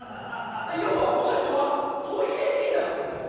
要はこの人はトイレリーダーなんですよ。